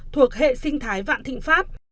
thuộc hệ sinh thái vạn thịnh pháp